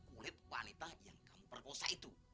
kulit wanita yang kamu perkosa itu